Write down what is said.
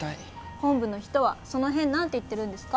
本部の人はその辺何て言ってるんですか？